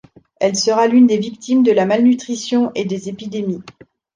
Elle sera l'une des victimes de la malnutrition et des épidémies.